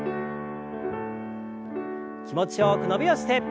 気持ちよく伸びをして。